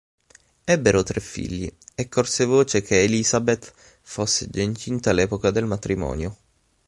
Ebbero tre figli, e corse voce che Elizabeth fosse già incinta all'epoca del matrimonio.